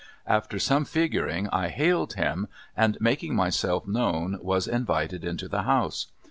After some figuring I hailed him, and making myself known was invited into the house.